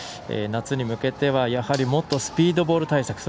夏に向けてはやはりもっとスピードボール対策。